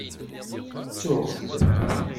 Ttuɣ-t.